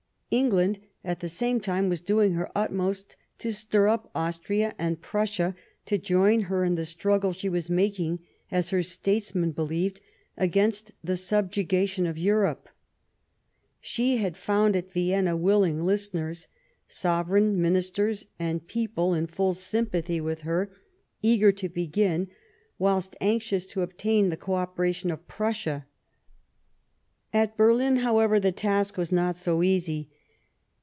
England, at the same time, was doing her utmost to stir up Austria and Prussia to join her in the struggle she was making, as her statesmen believed, against the subjugation of Europe. She had found at Vienna willing listeners ; sovereign, ministers, and people in full sympathy with her ; eager to begin, whilst anxious to obtain the co operation of Prussia. At Berlin, however, the task was not so easy.